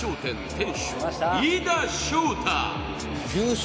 店主、飯田将太。